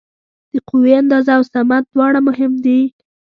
د قوې اندازه او سمت دواړه مهم دي.